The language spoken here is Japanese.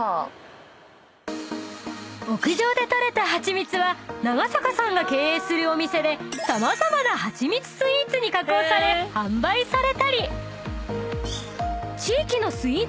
［屋上で取れたハチミツは長坂さんが経営するお店で様々なハチミツスイーツに加工され販売されたり］